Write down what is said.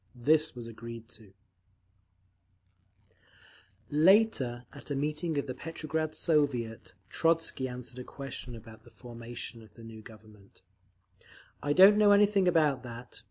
This was agreed to…. Later, at a meeting of the Petrograd Soviet, Trotzky answered a question about the formation of the new Government: "I don't know anything about that.